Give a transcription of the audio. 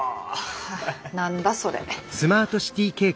何だそれ。